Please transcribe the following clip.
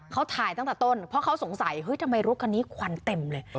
เขาถ่ายตั้งแต่ต้นเพราะเขาสงสัยเฮ้ยทำไมรถคันนี้ควันเต็มเลย